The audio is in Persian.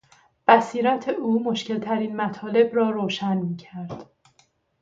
بصیرت او مشکلترین مطالب را روشن میکرد.